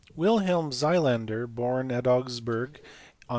Wilhelm Xylander, born at Augsburg on Dec.